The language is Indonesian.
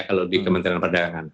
kalau di kementerian perdagangan